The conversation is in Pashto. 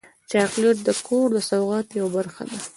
چاکلېټ د کور د سوغات یوه برخه ده.